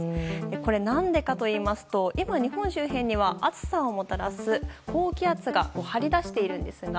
これは何でかというと今、日本周辺には暑さをもたらす高気圧が張り出しているんですが